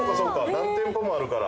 何店舗もあるから。